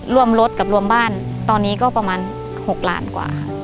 รวมรถกับรวมบ้านตอนนี้ก็ประมาณ๖ล้านกว่าค่ะ